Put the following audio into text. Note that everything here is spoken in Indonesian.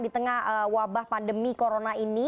di tengah wabah pandemi corona ini